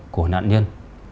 của nạn nhân